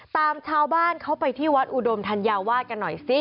ตามเฉาบ้านเข้าไปที่วัดอุโดมธรรยาวาดกันหน่อย